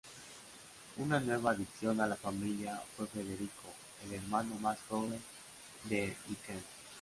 Una nueva adición a la familia fue Federico, el hermano más joven de Dickens.